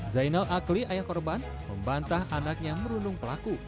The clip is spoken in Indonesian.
zainal akli ayah korban membantah anaknya merundung pelaku